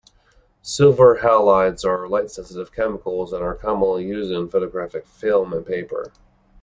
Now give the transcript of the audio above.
Silver halides are light-sensitive chemicals, and are commonly used in photographic film and paper.